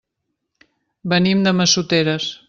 Venim de Massoteres.